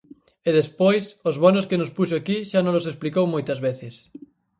E despois, os bonos que nos puxo aquí xa nolos explicou moitas veces.